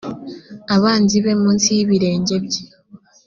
abanzi be munsi y ibirenge bye